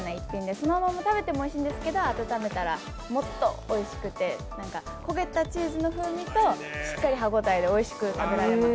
そのまま食べてもおいしいんですけど温めたらもっとおいしくて焦げたチーズの風味としっかり歯応えでおいしく食べられます。